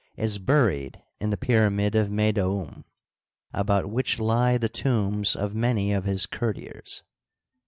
is buried in the pyramid of Meydoum, about which lie the tombs of many of his courtiers.